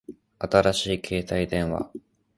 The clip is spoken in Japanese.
新しい携帯電話